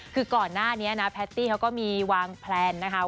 คือก่อนหน้านี้นะแพตตี้เขาก็มีวางแพลนนะคะ